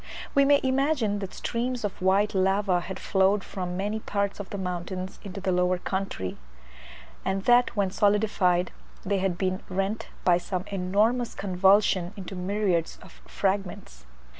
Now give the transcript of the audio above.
We may imagine that streams of white lava had flowed from many parts of the mountains into the lower country, and that when solidified they had been rent by some enormous convulsion into myriads of fragments.